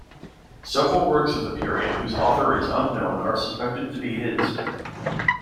Several works of the period whose author is unknown are suspected to be his.